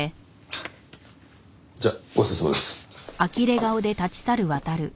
じゃあごちそうさまです。